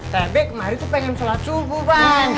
saya bek kemarin tuh pengen sholat subuh bang